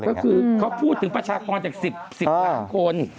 ก็คือเขาพูดถึงประชากรจาก๑๐ล้านคน